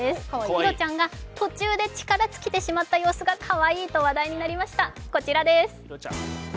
いろちゃんが途中で力尽きてしまった様子がかわいいと話題になりました。